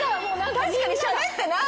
確かにしゃべってない。